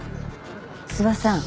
須波さん